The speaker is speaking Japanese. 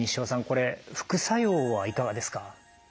これ副作用はいかがですか？